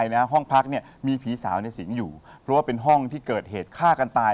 แล้วห้องพักเนี่ยมีผีสาวในสิงห์อยู่เพราะว่าเป็นห้องที่เกิดเหตุฆ่ากันตาย